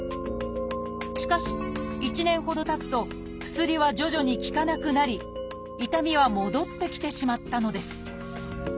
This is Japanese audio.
しかし１年ほどたつと薬は徐々に効かなくなり痛みは戻ってきてしまったのです。